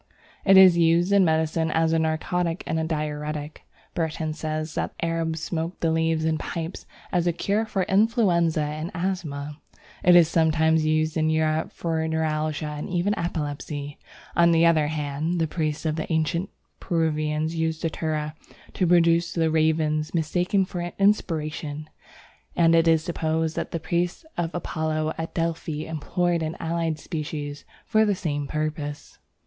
It is used in medicine as a narcotic and diuretic. Burton says that the Arabs smoke the leaves in pipes as a cure for influenza and asthma. It is sometimes used in Europe for neuralgia and even epilepsy. On the other hand, the priests of the ancient Peruvians used Datura to produce the ravings mistaken for inspiration, and it is supposed that the priests of Apollo at Delphi employed an allied species for the same purpose.